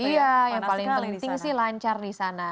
iya yang paling penting sih lancar di sana